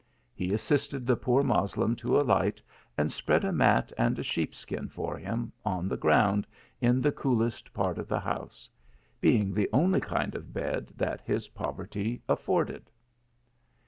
He assisted the poor Moslem to alight, and spread a mat and a sheep skin for him, on the ground, in the coolest part of the house; being the only kind of bed that his poverty afforded.